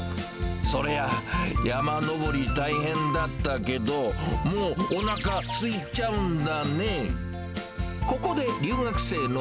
そりゃあ、山登り大変だったけど、もうおなかすいちゃうんだね？